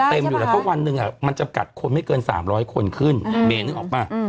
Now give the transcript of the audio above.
เพราะวันนึงท์มันจะกัดคนไม่เกิน๓๐๐คนขึ้นนึกออกปะ